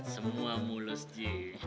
semua mulus ji